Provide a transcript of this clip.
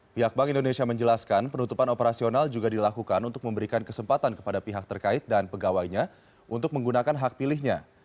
pihak bank indonesia menjelaskan penutupan operasional juga dilakukan untuk memberikan kesempatan kepada pihak terkait dan pegawainya untuk menggunakan hak pilihnya